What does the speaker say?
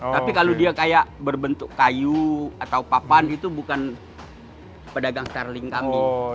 tapi kalau dia kayak berbentuk kayu atau papan itu bukan pedagang starling kami